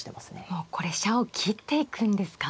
もうこれ飛車を切っていくんですか。